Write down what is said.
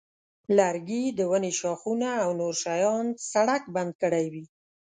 لرګي د ونې ښاخونه او نور شیان سړک بند کړی وي.